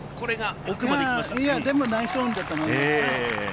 ナイスオンだと思います。